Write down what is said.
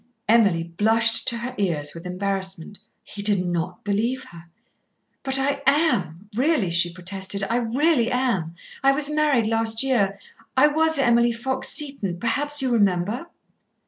Emily blushed to her ears with embarrassment. He did not believe her. "But I am really," she protested. "I really am. I was married last year. I was Emily Fox Seton. Perhaps you remember."